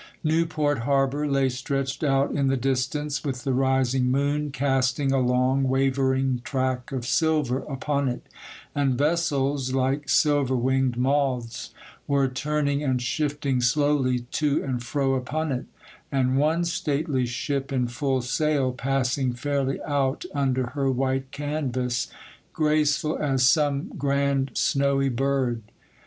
Newport harbour lay stretched out in the distance, with the rising moon casting a long, wavering track of silver upon it; and vessels, like silver winged moths, were turning and shifting slowly to and fro upon it, and one stately ship in full sail passing fairly out under her white canvas, graceful as some grand, snowy bird.